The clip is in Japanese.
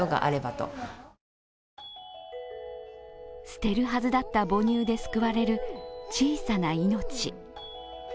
捨てるはずだった母乳で救われる小さな命。